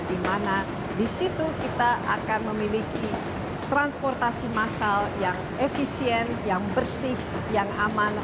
di mana di situ kita akan memiliki transportasi massal yang efisien yang bersih yang aman